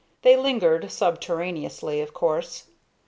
They lingered, subterraneously, of course.